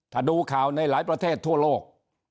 ถ้าดูข่าวในหลายประเทศทั่วโลก